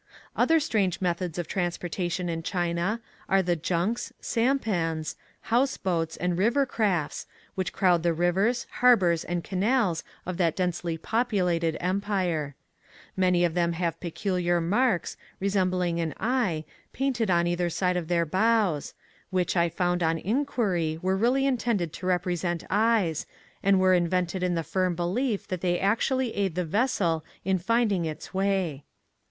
Other strange methods of transporta tion in China are the junks, sampans, house boats, and river crafts, which crowd the rivers, harbors, and canals of that densely populated empire. Many of them have peculiar marks, resembling an eye, painted on either side of their bows, which, I found on inquiry, were really intended to represent eyes, and are pro vided in the firm belief that they actually aid the vessel in finding its wav.